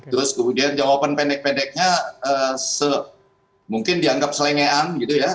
terus kemudian jawaban pendek pendeknya mungkin dianggap selengean gitu ya